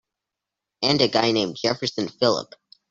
And a guy named Jefferson Phillip.